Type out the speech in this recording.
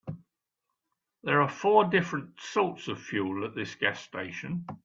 There are four different sorts of fuel at this gas station.